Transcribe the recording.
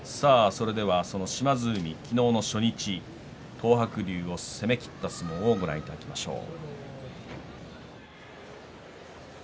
島津海、昨日の初日東白龍を攻めきった相撲をご覧いただきましょう。